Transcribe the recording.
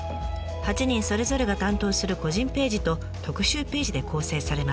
８人それぞれが担当する個人ページと特集ページで構成されます。